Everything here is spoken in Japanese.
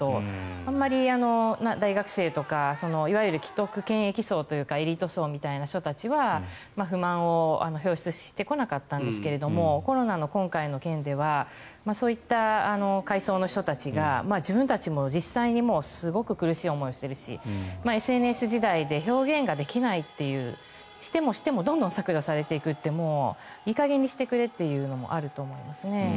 あまり大学生とかいわゆる既得権益層とかエリート層みたいな人たちは不満を表出してこなかったんですがコロナの今回の件ではそういった階層の人たちが自分たちも実際にすごく苦しい思いをしているしＳＮＳ時代で表現ができないというしてもしてもどんどん削除されていくってもういい加減にしてくれというのもあると思うんですね。